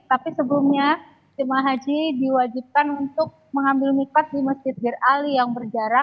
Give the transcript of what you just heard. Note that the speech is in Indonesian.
tapi sebelumnya jemaah haji diwajibkan untuk mengambil nikah di masjid zir ali yang berjarak